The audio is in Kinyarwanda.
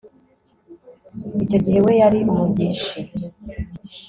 icyo gihe we yari umugeshi